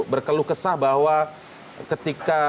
berkeluh kesah bahwa ketika